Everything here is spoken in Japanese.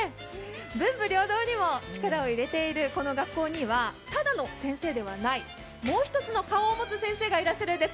文武両道にも力を入れているこの学校にはただの先生ではないもう一つの顔を持つ先生がいらっしゃるんです。